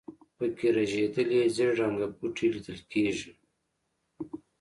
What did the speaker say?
په کې رژېدلي زېړ رنګه بوټي لیدل کېږي.